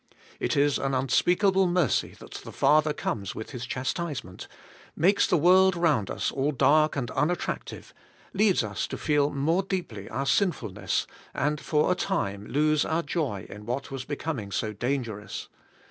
It is an unspeakable mercy that the Father comes with His chastisement, makes the world round us all dark and unattractive, leads us to feel more deeply our sinfulness, and for a time lose our joy in what was becoming so dangerous.